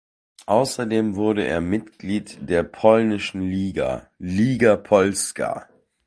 Außerdem wurde er Mitglied der Polnischen Liga ("Liga Polska").